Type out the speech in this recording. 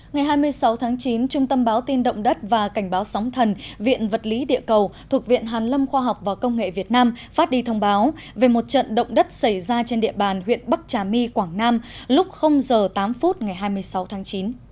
ngày hai mươi sáu tháng chín trung tâm báo tin động đất và cảnh báo sóng thần viện vật lý địa cầu thuộc viện hàn lâm khoa học và công nghệ việt nam phát đi thông báo về một trận động đất xảy ra trên địa bàn huyện bắc trà my quảng nam lúc h tám phút ngày hai mươi sáu tháng chín